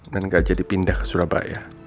dan gak jadi pindah ke surabaya